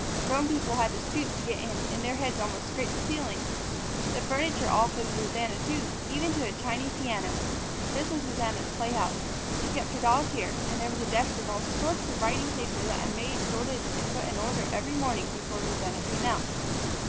Grown people had to stoop to get in and their heads almost scraped the ceilings. The furniture all fitted Rosanna too, even to the tiny piano. This was Rosanna's playhouse. She kept her dolls here, and there was a desk with all sorts of writing paper that a maid sorted and put in order every morning before Rosanna came out.